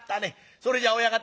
それじゃあ親方